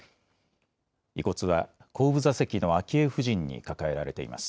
遺骨は、後部座席の昭恵夫人に抱えられています。